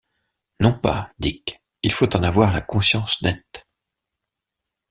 Non pas, Dick, il faut en avoir la conscience nette.